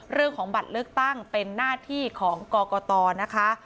เรื่องของบัตรเลือกตั้งเป็นหน้าที่ของกรกตนะคะ